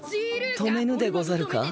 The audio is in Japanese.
止めぬでござるか？